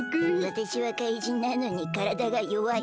わたしは怪人なのにからだがよわい！